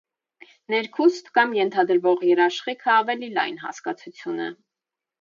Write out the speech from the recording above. Ներքուստ, կամ ենթադրվող, երաշխիքը ավելի լայն հասկացություն է։